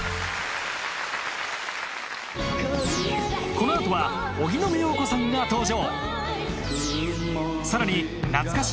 このあとは荻野目洋子さんが登場。